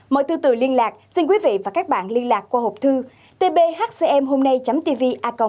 mời thư tử liên lạc xin quý vị và các bạn liên lạc qua hộp thư tbhcmhomnay tv